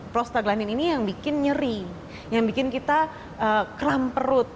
prostaglanin ini yang bikin nyeri yang bikin kita kram perut